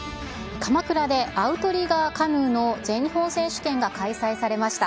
鎌倉でアウトリガーカヌーの全日本選手権が開催されました。